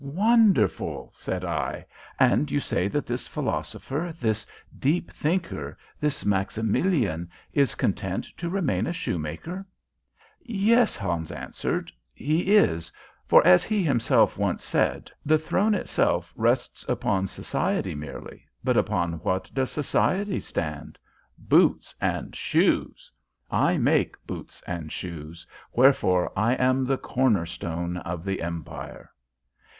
'" "Wonderful," said I. "And you say that this philosopher, this deep thinker, this Maximilian, is content to remain a shoemaker?" "Yes," Hans answered, "he is, for, as he himself once said, 'The throne itself rests upon society merely, but upon what does society stand? Boots and shoes! I make boots and shoes, wherefore I am the cornerstone of the empire.'"